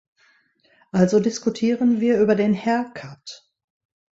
Also diskutieren wir über den hair cut.